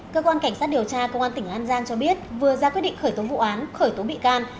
cơ quan cảnh sát điều tra công an tỉnh an giang cho biết vừa ra quyết định khởi tố vụ án khởi tố bị can